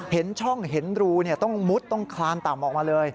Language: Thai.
เห็นช่องเห็นรูต้องมุดต้องคลานต่ำออกมาเลย